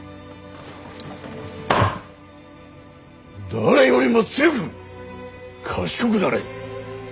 誰よりも強く賢くなれ。